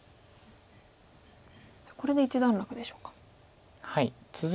これで一段落でしょうか。